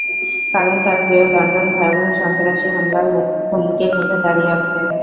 কারণ তার প্রিয় লন্ডন ভয়াবহ সন্ত্রাসী হামলার হুমকির মুখে দাঁড়িয়ে আছে।